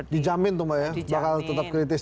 dijamin tuh mbak ya bakal tetap kritis